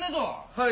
はい。